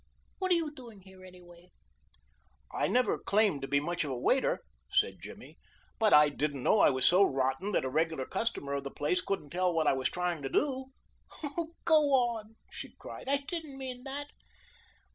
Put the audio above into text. What are you doing here anyway?" "I never claimed to be much of a waiter," said Jimmy, "but I didn't know I was so rotten that a regular customer of the place couldn't tell what I was trying to do." "Oh, go on," she cried; "I don't mean that.